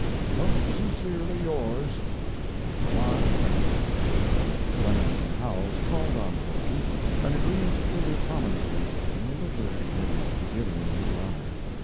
Most sincerely yours, MARK TWAIN. Clemens and Howells called on Gorky and agreed to figure prominently in a literary dinner to be given in his honor.